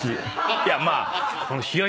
いやまあ。